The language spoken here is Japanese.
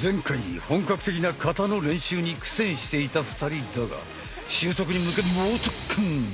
前回本格的な形の練習に苦戦していた２人だが習得に向け猛特訓！